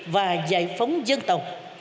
và giải phóng dân tộc